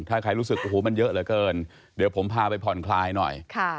ถ้าใครรู้สึกโอ้โหมันเยอะเหลือเกินเดี๋ยวผมพาไปผ่อนคลายหน่อย